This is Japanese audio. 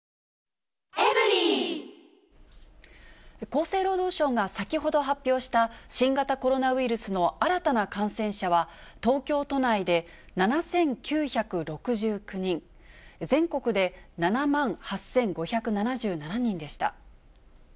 厚生労働省が先ほど発表した、新型コロナウイルスの新たな感染者は、東京都内で７９６９人、全国で７万８５７７人でした。